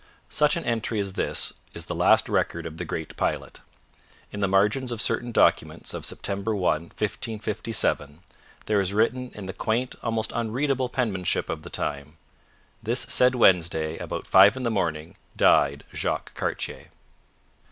Such an entry as this is the last record of the great pilot. In the margins of certain documents of September 1, 1557, there is written in the quaint, almost unreadable penmanship of the time: 'This said Wednesday about five in the morning died Jacques Cartier.'